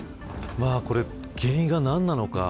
原因が何なのか。